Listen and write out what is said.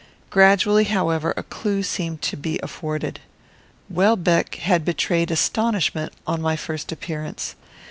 Gradually, however, a clue seemed to be afforded. Welbeck had betrayed astonishment on my first appearance.